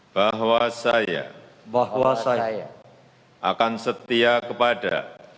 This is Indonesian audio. bahwa saya akan setia kepada